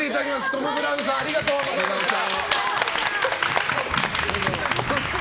トム・ブラウンさんありがとうございました。